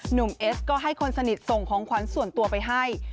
เอสก็ให้คนสนิทส่งของขวัญส่วนตัวไปให้